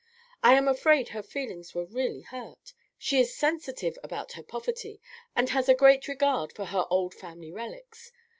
I am afraid her feelings were really hurt. She is sensitive about her poverty, and has a great regard for her old family relics.